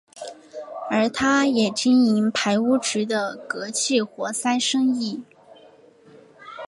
而他也经营排污渠的隔气活塞生意。